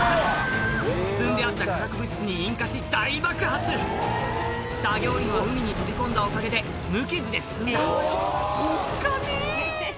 積んであった化学物質に引火し大爆発作業員は海に飛び込んだおかげで無傷で済んだおっかねえ！